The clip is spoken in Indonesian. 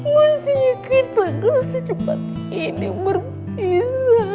mestinya kita harus secepat ini berpisah